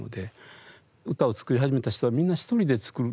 歌を作り始めた人はみんな一人で作る。